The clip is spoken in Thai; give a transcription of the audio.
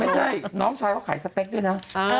ไม่ใช่น้องชายเขาขายสเต็กด้วยนะ